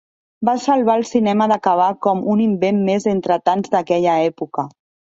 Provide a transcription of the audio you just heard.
Va salvar el cinema d'acabar com un invent més entre tants d'aquella època.